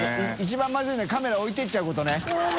貳まずいのカメラ置いていっちゃうことね。